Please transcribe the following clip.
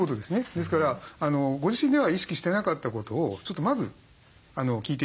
ですからご自身では意識してなかったことをちょっとまず聞いて頂く。